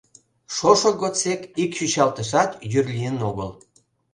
Шошо годсек ик чӱчалтышат йӱр лийын огыл.